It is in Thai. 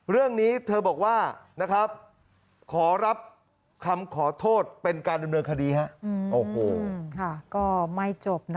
เรื่องนี้เธอบอกว่าขอรับคำขอโทษเป็นการดำเนินคดี